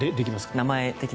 名前的な。